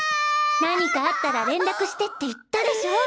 何かあったら連絡してって言ったでしょ。